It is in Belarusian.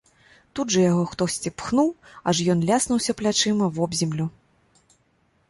Тут жа яго хтосьці пхнуў, аж ён ляснуўся плячыма вобземлю.